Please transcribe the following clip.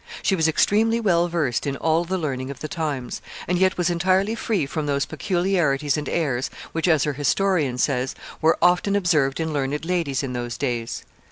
She was extremely well versed in all the learning of the times, and yet was entirely free from those peculiarities and airs which, as her historian says, were often observed in learned ladies in those days.